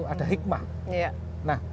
ada hikmah nah